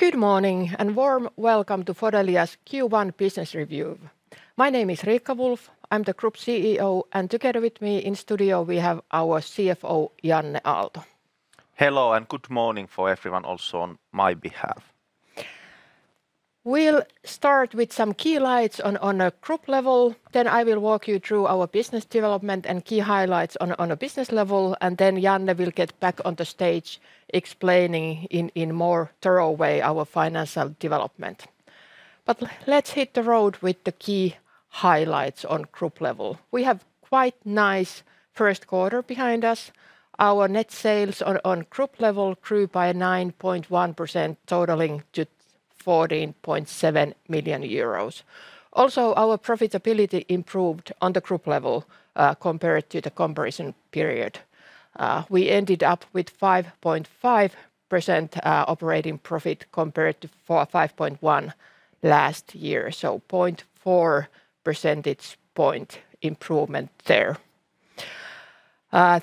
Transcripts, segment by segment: Good morning and warm welcome to Fodelia's Q1 business review. My name is Riikka Wulff. I'm the Group CEO, and together with me in studio, we have our CFO, Janne Aalto. Hello and good morning for everyone also on my behalf. We'll start with some key highlights on a group level, then I will walk you through our business development and key highlights on a business level, and then Janne will get back on the stage explaining in more thorough way our financial development. Let's hit the road with the key highlights on group level. We have quite nice first quarter behind us. Our net sales on group level grew by 9.1%, totaling to 14.7 million euros. Also, our profitability improved on the group level compared to the comparison period. We ended up with 5.5% operating profit compared to 5.1% last year. 0.4 percentage point improvement there.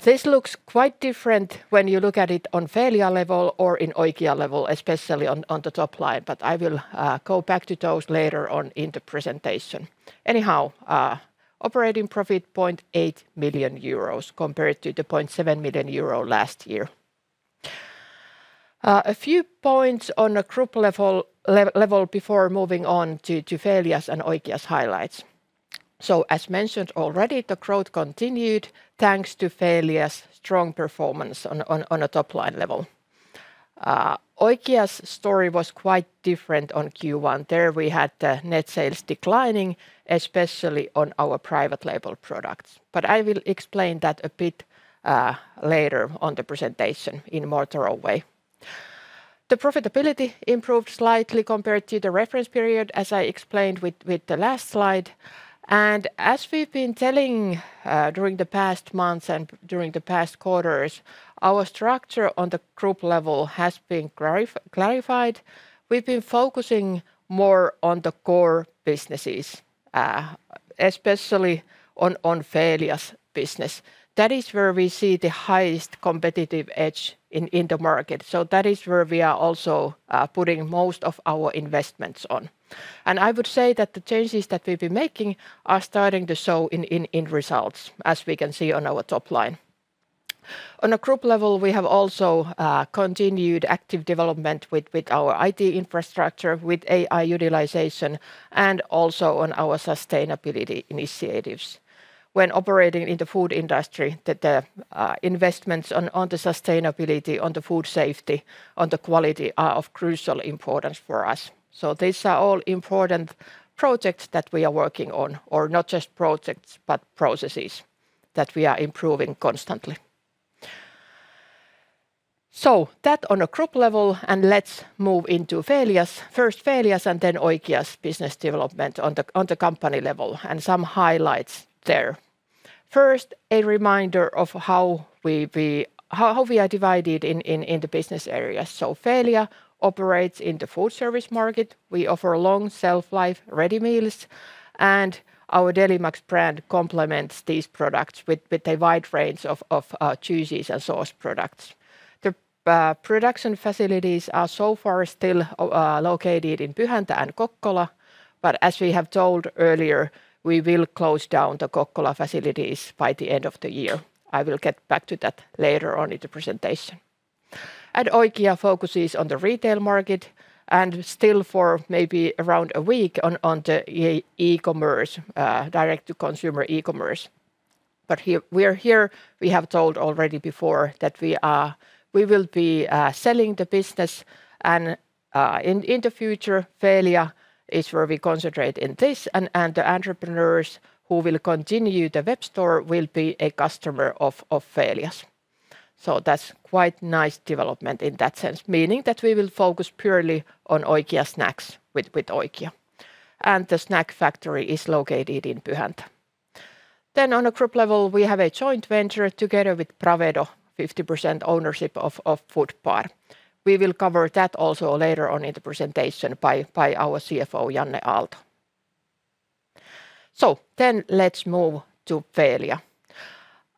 This looks quite different when you look at it on Feelia level or in Oikia level, especially on the top line, I will go back to those later on in the presentation. Anyhow, operating profit, 0.8 million euros compared to 0.7 million euro last year. A few points on a group level before moving on to Feelia's and Oikia's highlights. As mentioned already, the growth continued thanks to Feelia's strong performance on a top-line level. Oikia's story was quite different on Q1. There we had net sales declining, especially on our private label products. I will explain that a bit later on the presentation in more thorough way. The profitability improved slightly compared to the reference period, as I explained with the last slide. As we've been telling, during the past months and during the past quarters, our structure on the group level has been clarified. We've been focusing more on the core businesses, especially on Feelia's business. That is where we see the highest competitive edge in the market. That is where we are also putting most of our investments on. I would say that the changes that we've been making are starting to show in results, as we can see on our top line. On a group level, we have also continued active development with our IT infrastructure, with AI utilization, and also on our sustainability initiatives. When operating in the food industry, the investments on the sustainability, on the food safety, on the quality are of crucial importance for us. These are all important projects that we are working on, or not just projects, but processes that we are improving constantly. That on a group level, and let's move into Feelia's. First Feelia's and then Oikia's business development on the company level, and some highlights there. First, a reminder of how we are divided in the business areas. Feelia operates in the Foodservice market. We offer long shelf life ready meals, and our Delimax brand complements these products with a wide range of juices and sauce products. The production facilities are so far still located in Pyhäntä and Kokkola, but as we have told earlier, we will close down the Kokkola facilities by the end of the year. I will get back to that later on in the presentation. Oikia focuses on the retail market and still for maybe around a week on the e-commerce, direct to consumer e-commerce. We are here, we have told already before that we will be selling the business and, in the future, Feelia is where we concentrate in this and the entrepreneurs who will continue the web store will be a customer of Feelia. That's quite nice development in that sense, meaning that we will focus purely on Oikia snacks with Oikia. The snack factory is located in Pyhäntä. On a group level, we have a joint venture together with Bravedo, 50% ownership of Fodbar. We will cover that also later on in the presentation by our CFO, Janne Aalto. Let's move to Feelia.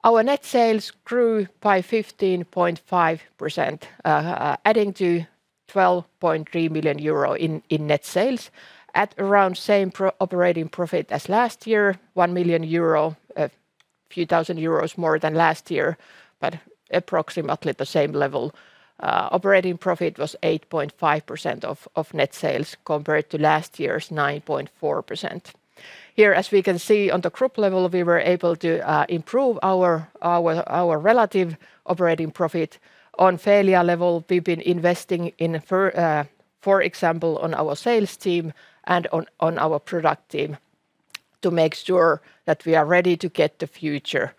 Our net sales grew by 15.5%, adding to 12.3 million euro in net sales at around same operating profit as last year, 1 million euro, a few thousand EUR more than last year, but approximately the same level. Operating profit was 8.5% of net sales compared to last year's 9.4%. Here, as we can see on the group level, we were able to improve our relative operating profit. On Feelia level, we've been investing in for example, on our sales team and on our product team to make sure that we are ready to get the future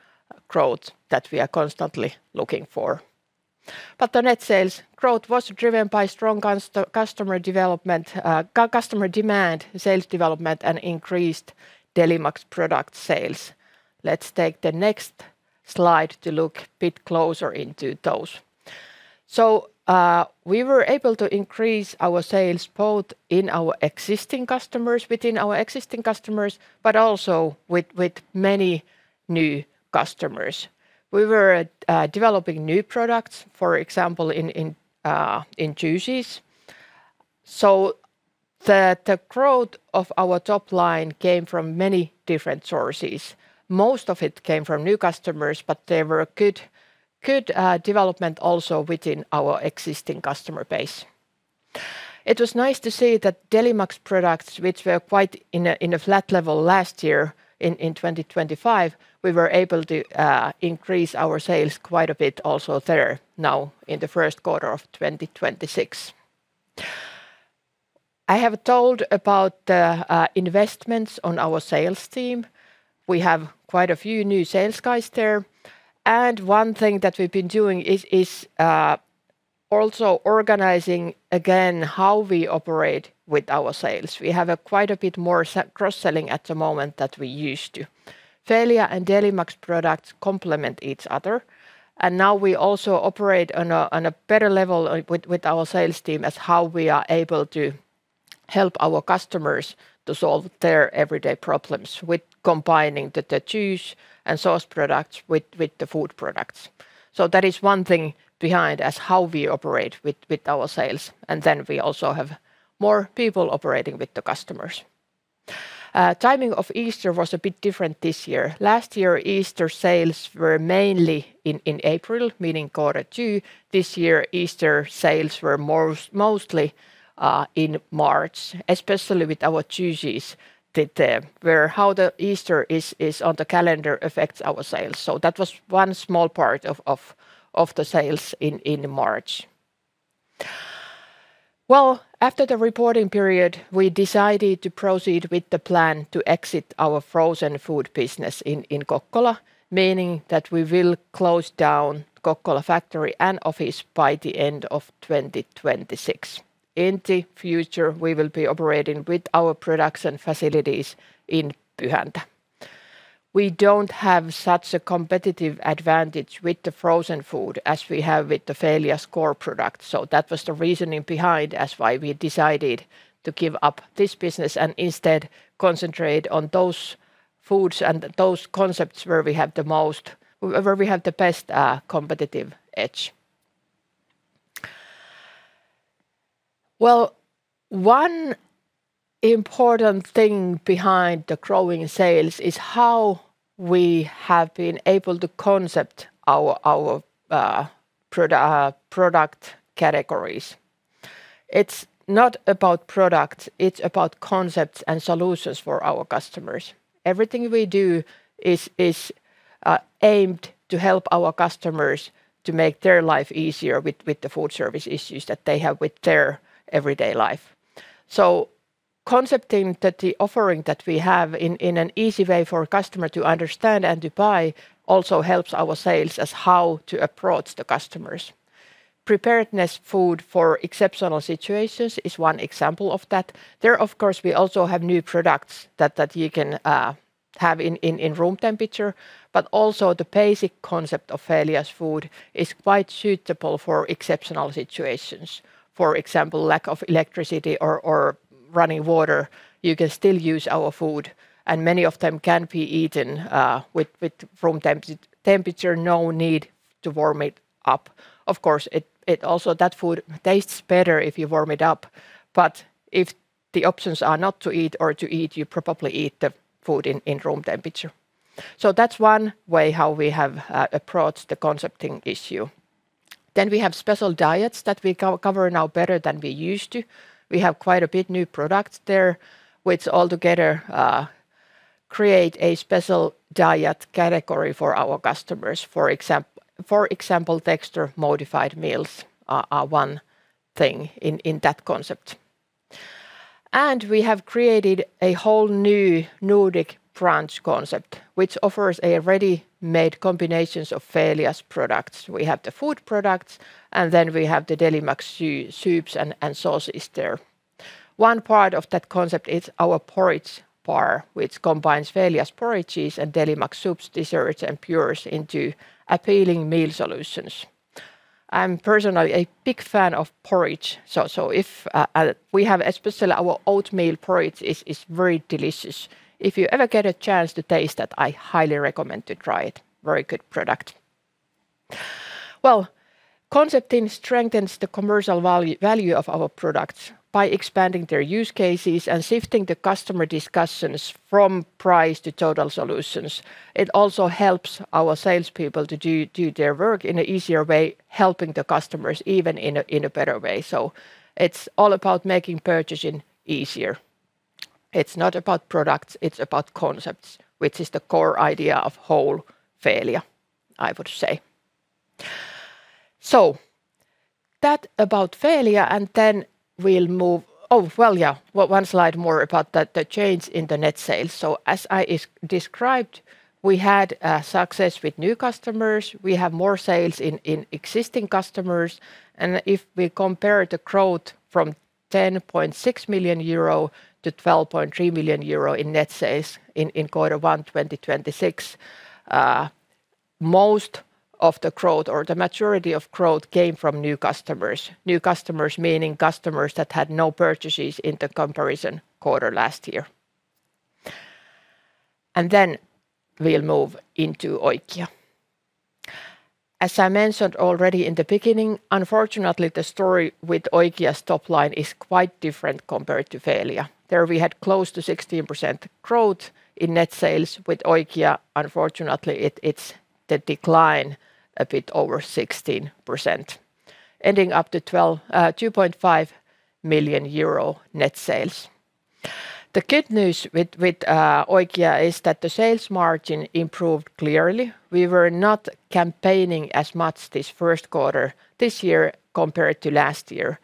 growth that we are constantly looking for. The net sales growth was driven by strong customer development, customer demand, sales development, and increased Delimax product sales. Let's take the next slide to look bit closer into those. We were able to increase our sales both within our existing customers, but also with many new customers. We were developing new products, for example, in juices. The growth of our top line came from many different sources. Most of it came from new customers, but there was good development also within our existing customer base. It was nice to see that Delimax products, which were quite in a flat level last year, in 2025, we were able to increase our sales quite a bit also there now in the Q1 of 2026. I have told about the investments on our sales team. We have quite a few new sales guys there. One thing that we've been doing is also organizing again how we operate with our sales. We have a quite a bit more cross-selling at the moment than we used to. Feelia and Delimax products complement each other. Now we also operate on a better level with our sales team as how we are able to help our customers to solve their everyday problems with combining the juice and sauce products with the food products. That is one thing behind as how we operate with our sales. Then we also have more people operating with the customers. Timing of Easter was a bit different this year. Last year, Easter sales were mainly in April, meaning quarter two. This year, Easter sales were mostly in March, especially with our juices that where how the Easter is on the calendar affects our sales. That was one small part of the sales in March. After the reporting period, we decided to proceed with the plan to exit our frozen food business in Kokkola, meaning that we will close down Kokkola factory and office by the end of 2026. In the future, we will be operating with our production facilities in Pyhäntä. We don't have such a competitive advantage with the frozen food as we have with the Feelia's core product. That was the reasoning behind as why we decided to give up this business and instead concentrate on those foods and those concepts where we have the best competitive edge. Well, one important thing behind the growing sales is how we have been able to concept our product categories. It's not about products, it's about concepts and solutions for our customers. Everything we do is aimed to help our customers to make their life easier with the food service issues that they have with their everyday life. Concepting that the offering that we have in an easy way for a customer to understand and to buy also helps our sales as how to approach the customers. Preparedness food for exceptional situations is one example of that. There, of course, we also have new products that you can have in room temperature, but also the basic concept of Feelia's food is quite suitable for exceptional situations. For example, lack of electricity or running water, you can still use our food, and many of them can be eaten with room temperature, no need to warm it up. Of course, that food tastes better if you warm it up, but if the options are not to eat or to eat, you probably eat the food in room temperature. That's one way how we have approached the concepting issue. We have special diets that we cover now better than we used to. We have quite a bit new products there, which all together create a special diet category for our customers. For example, texture modified meals are one thing in that concept. We have created a whole new Nordic Brunch concept, which offers a ready-made combinations of Feelia's products. We have the food products, and then we have the Delimax soups and sauces there. One part of that concept is our porridge bar, which combines Feelia's porridges and Delimax soups, desserts, and purees into appealing meal solutions. I'm personally a big fan of porridge. We have especially our oatmeal porridge. It's very delicious. If you ever get a chance to taste that, I highly recommend to try it. Very good product. Well, concepting strengthens the commercial value of our products by expanding their use cases and shifting the customer discussions from price to total solutions. It also helps our salespeople to do their work in a easier way, helping the customers even in a better way. It's all about making purchasing easier. It's not about products, it's about concepts, which is the core idea of whole Feelia, I would say. That about Feelia. Oh, well, yeah. One slide more about the change in the net sales. As I described, we had success with new customers. We have more sales in existing customers, and if we compare the growth from 10.6 million euro to 12.3 million euro in net sales in quarter one 2026, most of the growth or the majority of growth came from new customers. New customers meaning customers that had no purchases in the comparison quarter last year. Then we'll move into Oikia. As I mentioned already in the beginning, unfortunately, the story with Oikia's top line is quite different compared to Feelia. There we had close to 16% growth in net sales. With Oikia, unfortunately, it's the decline a bit over 16%, ending up to 2.5 million euro net sales. The good news with Oikia is that the sales margin improved clearly. We were not campaigning as much this first quarter this year compared to last year,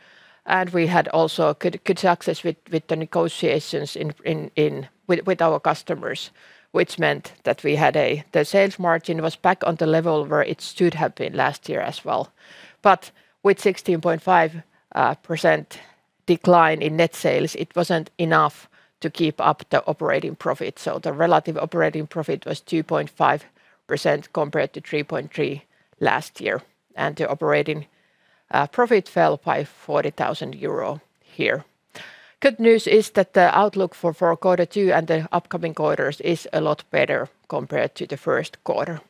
and we had also good success with the negotiations with our customers, which meant that the sales margin was back on the level where it should have been last year as well. With 16.5% decline in net sales, it wasn't enough to keep up the operating profit. The relative operating profit was 2.5% compared to 3.3% last year, and the operating profit fell by 40,000 euro here. Good news is that the outlook for quarter two and the upcoming quarters is a lot better compared to the first quarter.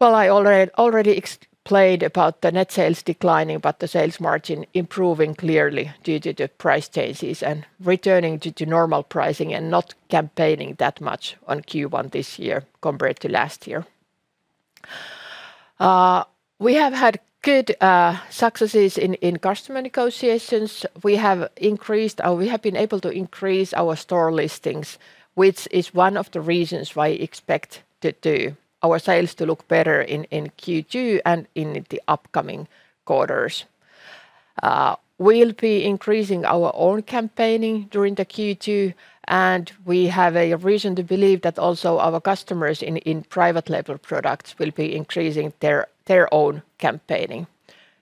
Well, I already explained about the net sales declining but the sales margin improving clearly due to the price changes and returning to the normal pricing and not campaigning that much on Q1 this year compared to last year. We have had good successes in customer negotiations. We have been able to increase our store listings, which is one of the reasons why we expect our sales to look better in Q2 and in the upcoming quarters. We'll be increasing our own campaigning during the Q2. We have a reason to believe that also our customers in private label products will be increasing their own campaigning.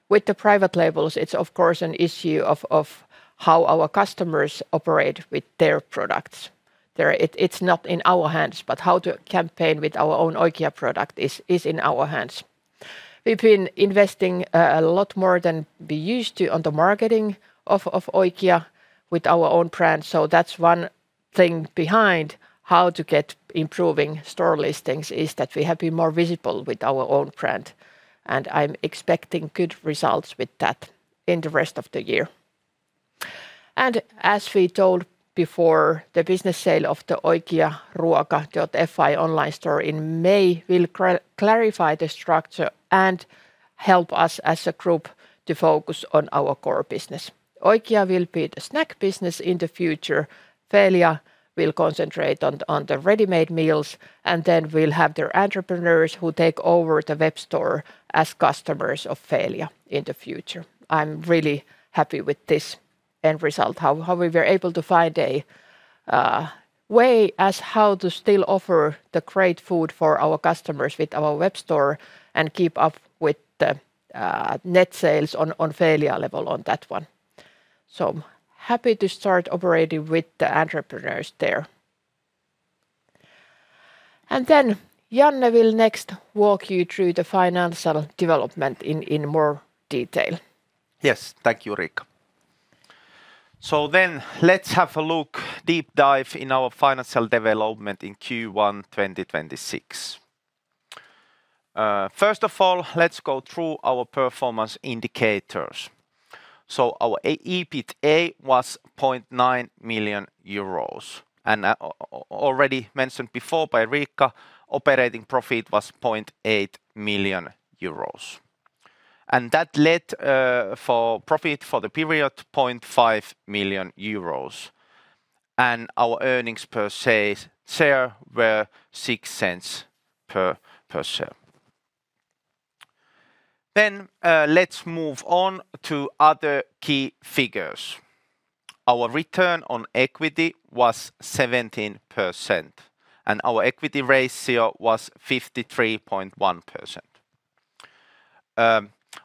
With the private labels, it's of course an issue of how our customers operate with their products. It's not in our hands, but how to campaign with our own Oikia product is in our hands. We've been investing a lot more than we used to on the marketing of Oikia with our own brand. That's one thing behind how to get improving store listings is that we have been more visible with our own brand, and I'm expecting good results with that in the rest of the year. As we told before, the business sale of the oikiaruoka.fi online store in May will clarify the structure and help us as a group to focus on our core business. Oikia will be the snack business in the future. Feelia will concentrate on the ready-made meals, we'll have their entrepreneurs who take over the web store as customers of Feelia in the future. I'm really happy with this end result, how we were able to find a way as how to still offer the great food for our customers with our web store and keep up with the net sales on Feelia level on that one. Happy to start operating with the entrepreneurs there. Janne will next walk you through the financial development in more detail. Yes. Thank you, Riikka. Let's have a look, deep dive in our financial development in Q1 2026. First of all, let's go through our performance indicators. Our EBITDA was 0.9 million euros, and already mentioned before by Riikka, operating profit was 0.8 million euros. That led for profit for the period, 0.5 million euros. Our earnings per share were 0.06 per share. Let's move on to other key figures. Our return on equity was 17%, and our equity ratio was 53.1%.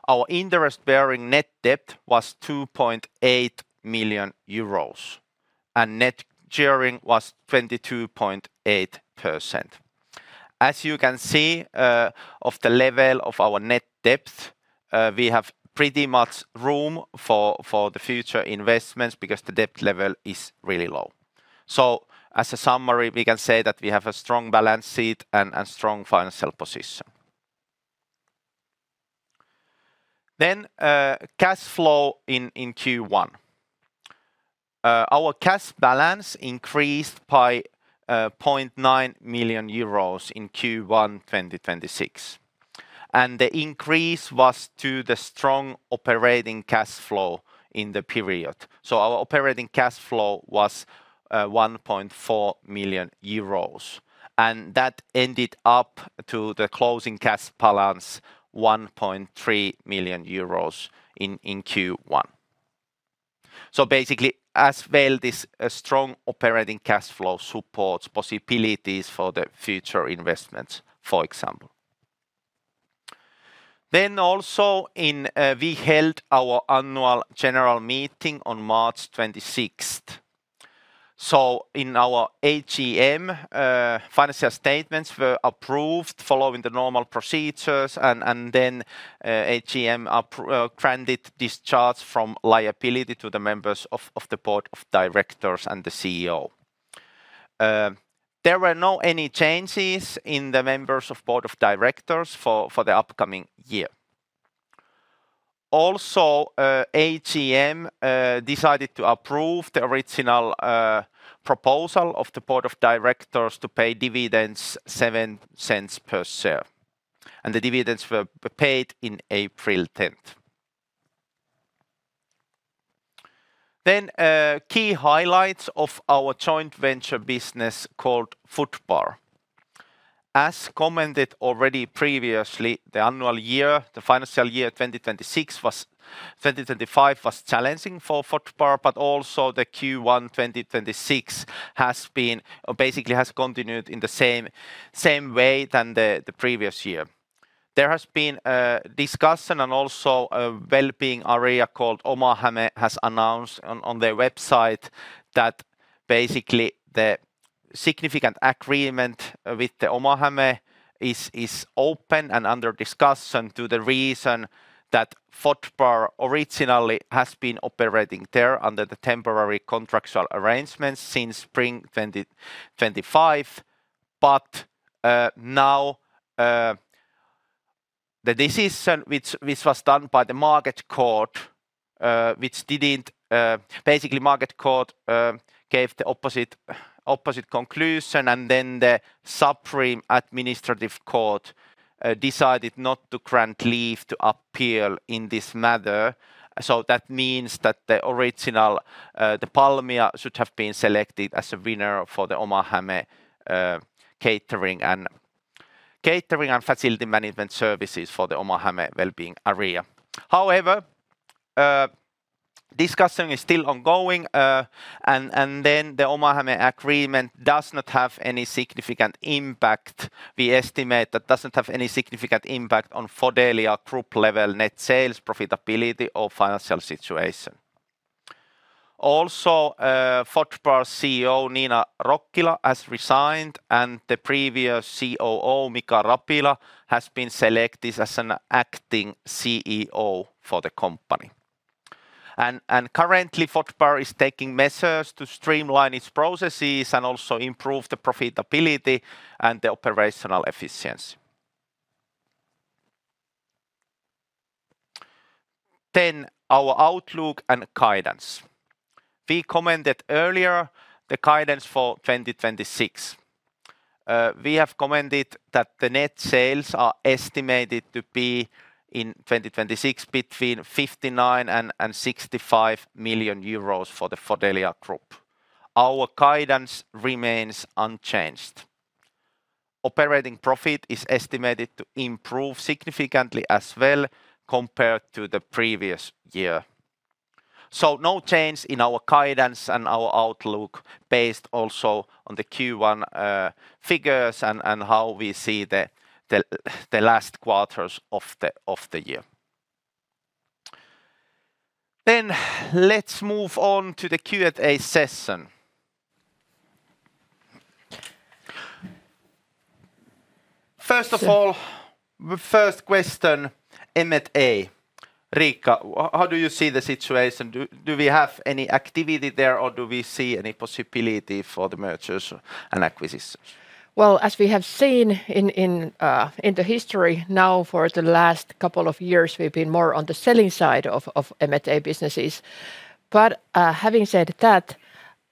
Our interest bearing net debt was 2.8 million euros, and net gearing was 22.8%. As you can see, of the level of our net debt, we have pretty much room for the future investments because the debt level is really low. As a summary, we can say that we have a strong balance sheet and strong financial position. Cash flow in Q1. Our cash balance increased by 0.9 million euros in Q1 2026, and the increase was to the strong operating cash flow in the period. Our operating cash flow was 1.4 million euros, and that ended up to the closing cash balance 1.3 million euros in Q1. Basically, as well, this strong operating cash flow supports possibilities for the future investments, for example. Also, we held our Annual General Meeting on March 26th. In our AGM, financial statements were approved following the normal procedures and then AGM granted discharge from liability to the members of the board of directors and the CEO. There were no any changes in the members of board of directors for the upcoming year. AGM decided to approve the original proposal of the board of directors to pay dividends 0.07 per share, and the dividends were paid in April 10th. Key highlights of our joint venture business called Fodbar. As commented already previously, the financial year 2025 was challenging for Fodbar, but also Q1 2026 has been, or basically has continued in the same way than the previous year. There has been a discussion and also a well-being area called Oma Häme has announced on their website that basically the significant agreement with the Oma Häme is open and under discussion to the reason that Fodbar originally has been operating there under the temporary contractual arrangements since spring 2025. Now the decision which was done by the Market Court. Basically Market Court gave the opposite conclusion and the Supreme Administrative Court decided not to grant leave to appeal in this matter. That means that the original the Palmia should have been selected as a winner for the Oma Häme catering and facility management services for the Oma Häme well-being area. Discussion is still ongoing. Then the Oma Häme agreement does not have any significant impact. We estimate that doesn't have any significant impact on Fodelia Group level net sales, profitability or financial situation. Fodbar CEO Nina Rokkila has resigned, the previous COO Mika Rapila has been selected as an acting CEO for the company. Currently, Foodbar is taking measures to streamline its processes and also improve the profitability and the operational efficiency. Our outlook and guidance. We commented earlier the guidance for 2026. We have commented that the net sales are estimated to be, in 2026, between 59 million and 65 million euros for the Fodelia Group. Our guidance remains unchanged. Operating profit is estimated to improve significantly as well compared to the previous year. No change in our guidance and our outlook based also on the Q1 figures and how we see the last quarters of the year. Let's move on to the Q&A session. First of all, the first question, M&A. Riikka, how do you see the situation? Do we have any activity there or do we see any possibility for the mergers and acquisitions? Well, as we have seen in the history now for the last couple of years, we've been more on the selling side of M&A businesses. Having said that,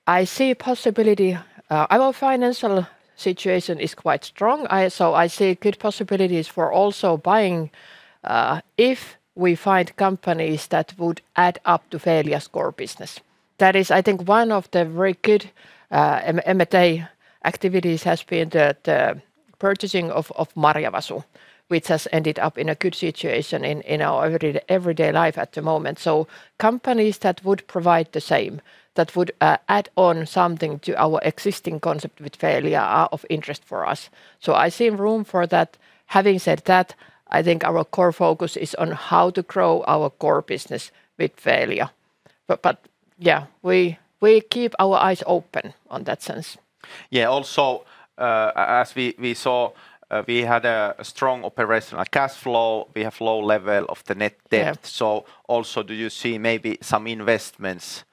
I see possibility. Our financial situation is quite strong. I see good possibilities for also buying if we find companies that would add up to Feelia's core business. That is, I think one of the very good M&A activities has been the purchasing of Marjavasu, which has ended up in a good situation in our everyday life at the moment. Companies that would provide the same, that would add on something to our existing concept with Fodelia are of interest for us. I see room for that. Having said that, I think our core focus is on how to grow our core business with Feelia. But yeah, we keep our eyes open on that sense. Yeah. Also, as we saw, we had a strong operational cash flow. We have low level of the net debt. Yeah. Also do you see maybe some investments?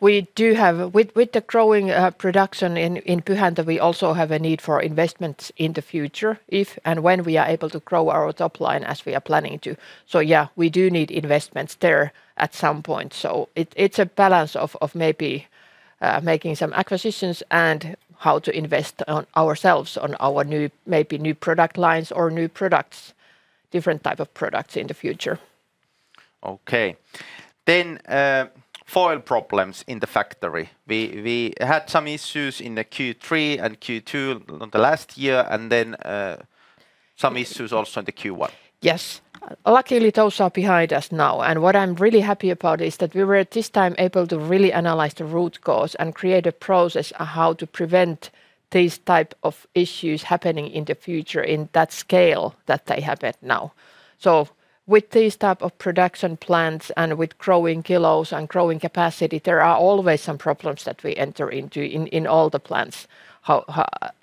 We do have. With the growing production in Pyhäntä, we also have a need for investments in the future if and when we are able to grow our top line as we are planning to. We do need investments there at some point. It's a balance of maybe making some acquisitions and how to invest on ourselves on our new, maybe new product lines or new products, different type of products in the future. Okay. Foil problems in the factory. We had some issues in the Q3 and Q2 on the last year, some issues also in the Q1. Yes. Luckily, those are behind us now. What I'm really happy about is that we were at this time able to really analyze the root cause and create a process on how to prevent these type of issues happening in the future in that scale that they happened now. With these type of production plants and with growing kilos and growing capacity, there are always some problems that we enter into in all the plants.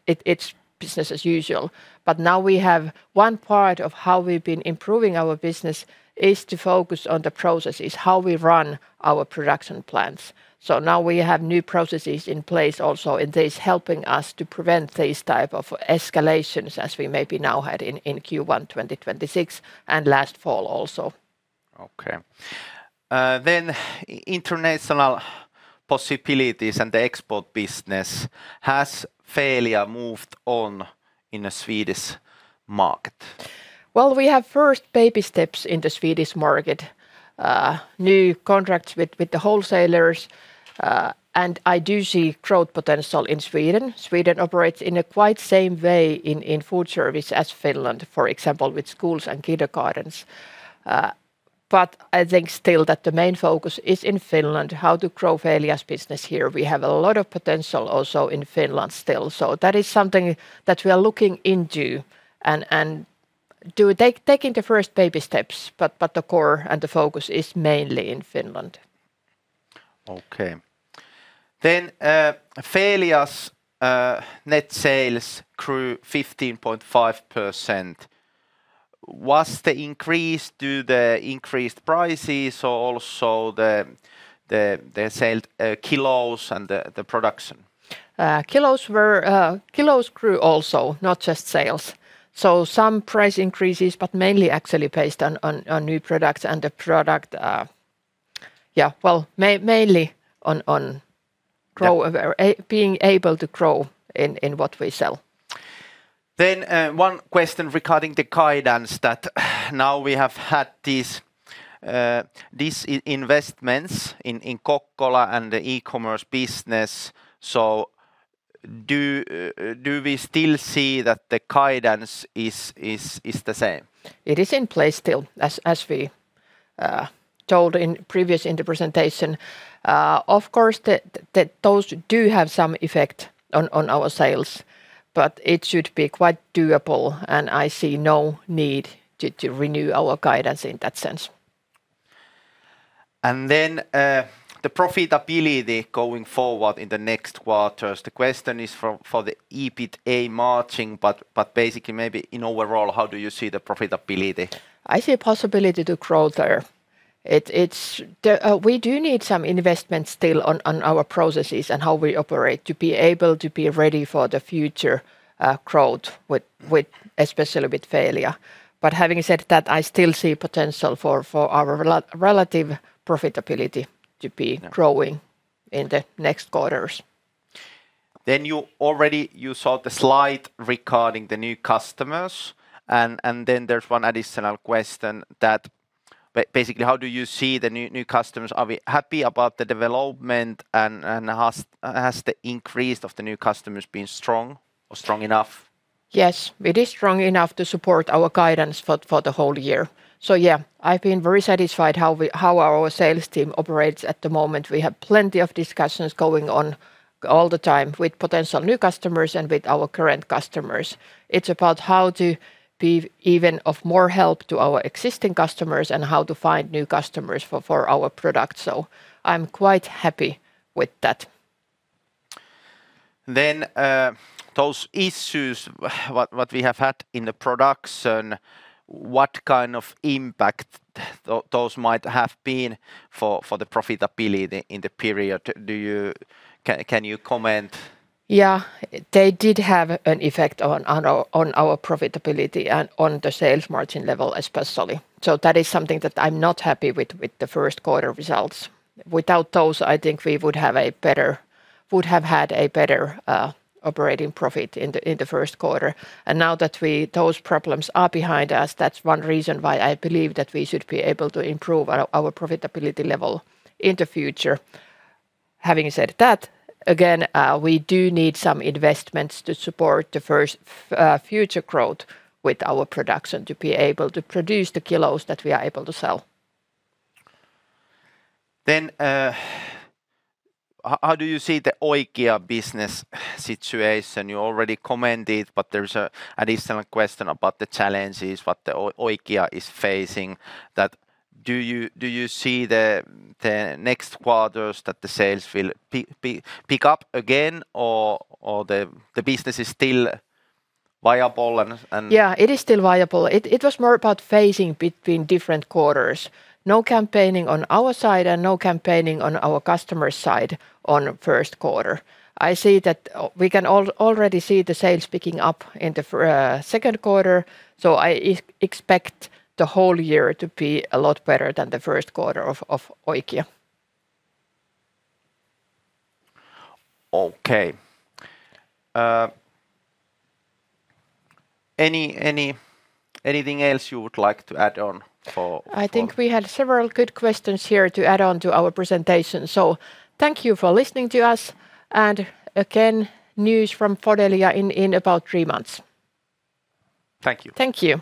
It's business as usual. Now we have one part of how we've been improving our business is to focus on the processes, how we run our production plans. Now we have new processes in place also, and that is helping us to prevent these type of escalations as we maybe now had in Q1 2026 and last fall also. Okay. International possibilities and the export business, has Feelia moved on in the Swedish market? Well, we have first baby steps in the Swedish market. New contracts with the wholesalers. I do see growth potential in Sweden. Sweden operates in a quite same way in food service as Finland, for example, with schools and kindergartens. I think still that the main focus is in Finland, how to grow Feelia's business here. We have a lot of potential also in Finland still, that is something that we are looking into taking the first baby steps, the core and the focus is mainly in Finland. Okay. Feelia's net sales grew 15.5%. Was the increase due to increased prices or also the sale, kilos and the production? Kilos grew also, not just sales. Some price increases, but mainly actually based on new products. Yeah, well, mainly on grow- Yeah or being able to grow in what we sell. One question regarding the guidance that now we have had these investments in Kokkola and the e-commerce business. Do we still see that the guidance is the same? It is in place still, as we told in previous in the presentation. Of course, the those do have some effect on our sales, but it should be quite doable, and I see no need to renew our guidance in that sense. The profitability going forward in the next quarters. The question is for the EBITDA margin but basically maybe in overall, how do you see the profitability? I see a possibility to grow there. We do need some investment still on our processes and how we operate to be able to be ready for the future, growth with, especially with Feelia. Having said that, I still see potential for our relative profitability to be. Yeah Growing in the next quarters. You saw the slide regarding the new customers and then there's one additional question that, basically how do you see the new customers? Are we happy about the development and has the increase of the new customers been strong or strong enough? Yes, it is strong enough to support our guidance for the whole year. I've been very satisfied how our sales team operates at the moment. We have plenty of discussions going on all the time with potential new customers and with our current customers. It's about how to be even of more help to our existing customers and how to find new customers for our product. I'm quite happy with that. Those issues, what we have had in the production, what kind of impact those might have been for the profitability in the period? Can you comment? Yeah. They did have an effect on our profitability and on the sales margin level especially. That is something that I'm not happy with the first quarter results. Without those, I think we would have had a better operating profit in the first quarter. Now that those problems are behind us, that's one reason why I believe that we should be able to improve our profitability level in the future. Having said that, again, we do need some investments to support the first future growth with our production to be able to produce the kilos that we are able to sell. How do you see the Oikia business situation? You already commented, but there's a additional question about the challenges what the Oikia is facing that do you, do you see the next quarters that the sales will pick up again or the business is still viable? Yeah, it is still viable. It was more about phasing between different quarters. No campaigning on our side and no campaigning on our customer's side on the first quarter. I see that we can already see the sales picking up in the second quarter, so I expect the whole year to be a lot better than the first quarter of Oikia. Okay. Anything else you would like to add on? I think we had several good questions here to add on to our presentation, so thank you for listening to us. Again, news from Fodelia in about three months. Thank you. Thank you.